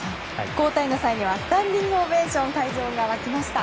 交代の際にはスタンディングオベーション会場が沸きました。